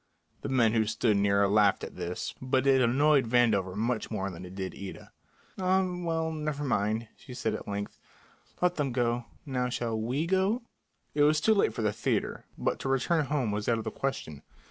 The men who stood near laughed at this, but it annoyed Vandover much more than it did Ida. "Ah, well, never mind," she said at length. "Let them go. Now shall we go?" It was too late for the theatre, but to return home was out of the question.